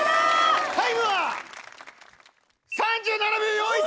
タイムは⁉３７秒４１！